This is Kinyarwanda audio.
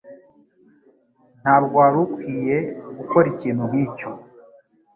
Ntabwo wari ukwiye gukora ikintu nkicyo.